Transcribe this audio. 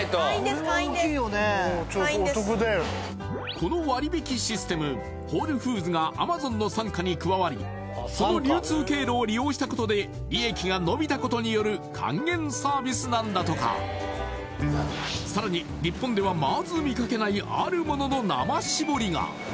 この割引システムホールフーズがＡｍａｚｏｎの傘下に加わりその流通経路を利用したことで利益が伸びたことによる還元サービスなんだとかさらに日本ではまず見かけないあっ